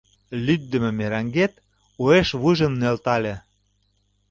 Лӱддымӧ мераҥет уэш вуйжым нӧлтале.